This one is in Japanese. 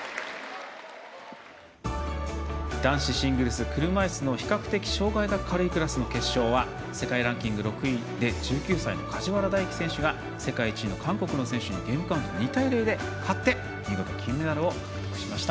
男子シングルス車いすの比較的障がいが軽いクラスの決勝は世界ランキング６位で１９歳の梶原大暉選手が世界１位の韓国の選手にゲームカウント２対０で勝って、見事金メダルを獲得しました。